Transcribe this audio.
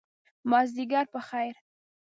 مازدیګر په خیر !